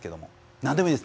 何でもいいです。